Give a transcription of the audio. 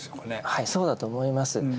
はいそうだと思います。